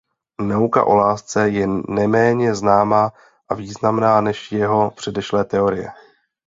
Nauka o lásce je neméně známá a významná než jeho předešlé teorie.